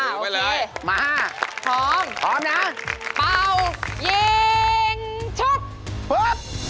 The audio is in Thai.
อ่าถือไปเลยมาพร้อมนะครับเปล่ายิงชุดปุ๊บ